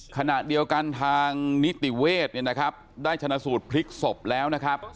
ขณะเดียวกันทางนิติเวศได้ชนะสูตรพลิกศพแล้ว